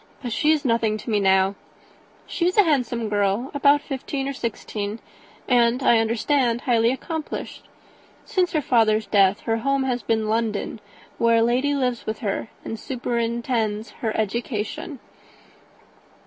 But she is nothing to me now. She is a handsome girl, about fifteen or sixteen, and, I understand, highly accomplished. Since her father's death her home has been London, where a lady lives with her, and superintends her education."